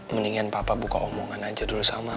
mendingan papa buka omongan aja dulu sama